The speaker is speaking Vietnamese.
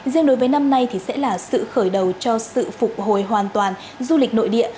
riêng đối với năm nay thì sẽ là sự khởi đầu cho sự phục hồi hoàn toàn du lịch nội địa